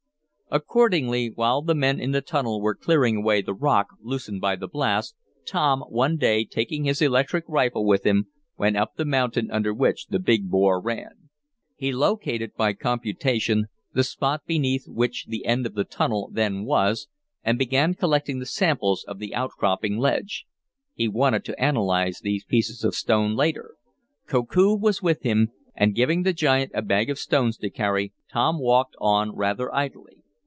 Accordingly, while the men in the tunnel were clearing away the rock loosened by the blast, Tom, one day, taking his electric rifle with him, went up the mountain under which the big bore ran. He located, by computation, the spot beneath which the end of the tunnel then was, and began collecting samples of the outcropping ledge. He wanted to analyze these pieces of stone later. Koku was with him, and, giving the giant a bag of stones to carry, Tom walked on rather idly.